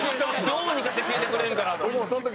どうにかして消えてくれんかなと。